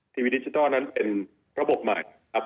ทีวีดิจิทัลนั้นเป็นระบบใหม่ครับ